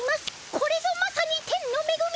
これぞまさに天のめぐみ！